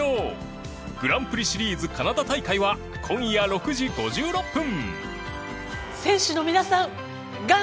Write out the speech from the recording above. グランプリシリーズカナダ大会は今夜６時５６分